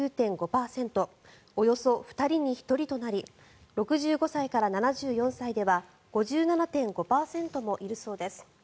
およそ２人に１人となり６５歳から７４歳では５７．５％もいるそうです。